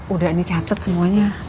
udah dicatat semuanya